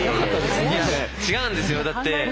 いや違うんですよだって。